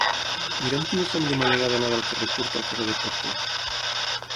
Mira'm quina és la millor manera d'anar del carrer Curt al carrer de Porto.